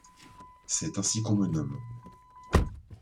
C’est ainsi qu’on me nomme.